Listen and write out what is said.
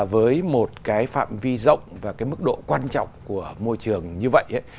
với một cái phạm vi rộng và cái mức độ quan trọng của môi trường như vậy